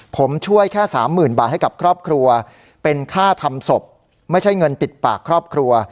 ผมช่วยแค่สามหมื่นบาทให้กับครอบครัวเป็นค่าทำศพไม่ใช่เงินปิดปากครอบครัว